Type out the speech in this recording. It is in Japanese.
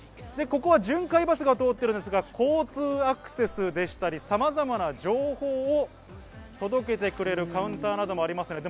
巡回バスが通っていますが、交通アクセスだったり、さまざまな情報を届けてくれるカウンターなどもあります。